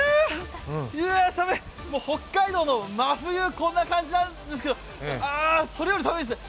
北海道の真冬、こんな感じなんですけどそれより寒いです。